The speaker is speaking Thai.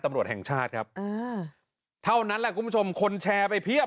ตำรวจแห่งชาติครับอ่าเท่านั้นแหละคุณผู้ชมคนแชร์ไปเพียบ